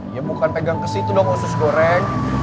ya bukan pegang kesitu dong usus goreng